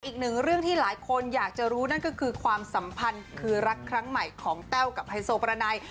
อีกหนึ่งเรื่องที่หลายคนอยากจะรู้นั่นก็คือความสัมพันธ์คือรักครั้งใหม่ของแต้วกับไฮโซประไน